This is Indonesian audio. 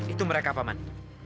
itu mereka paman